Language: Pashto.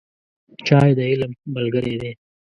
چای د علم ملګری دی